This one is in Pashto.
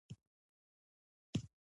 احمده! زما خبره دې په غوږو کې نيولې ده؟